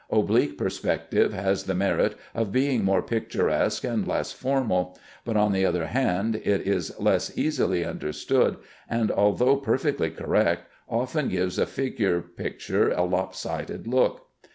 Oblique perspective has the merit of being more picturesque and less formal; but, on the other hand, it is less easily understood, and although perfectly correct, often gives a figure picture a lop sided look.